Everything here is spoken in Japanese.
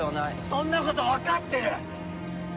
そんなことわかってる！